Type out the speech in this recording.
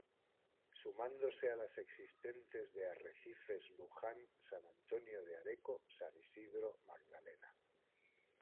Sumándose a las existentes de Arrecifes, Luján, San Antonio de Areco, San Isidro, Magdalena.